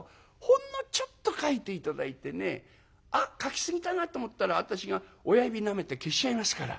ほんのちょっと描いて頂いてねあっ描きすぎたなと思ったら私が親指なめて消しちゃいますから」。